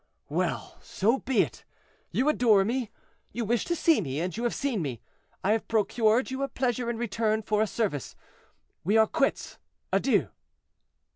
"Well, so be it, you adore me; you wished to see me, and you have seen me. I have procured you a pleasure in return for a service. We are quits. Adieu!"